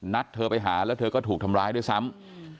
เธอไปหาแล้วเธอก็ถูกทำร้ายด้วยซ้ำ